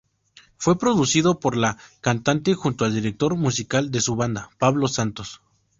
Fue producido por la cantante junto al director musical de su banda: Pablo Santos.